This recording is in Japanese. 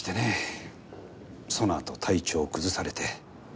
そのあと体調を崩されて。